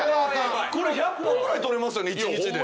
１００本ぐらい撮れますよ一日で。